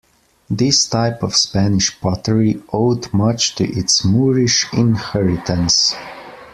This type of Spanish pottery owed much to its Moorish inheritance.